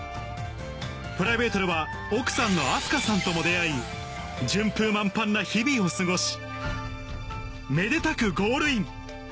プライベートでは奥さんの明日香さんとも出会い順風満帆な日々を過ごしめでたくゴールイン！